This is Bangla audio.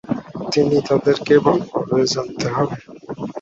তিনি তাদেরকে ভালোভাবে জানতে হবে।